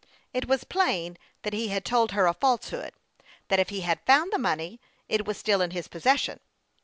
It was plain that he had told her a falsehood ; that if he had found the money, it was still in his possession.